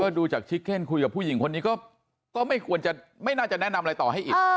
ดูจากชิคเคนคุยกับผู้หญิงคนนี้ก็ไม่ควรจะไม่น่าจะแนะนำอะไรต่อให้อีก